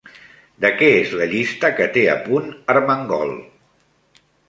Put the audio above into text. De què és la llista que té a punt Armengol?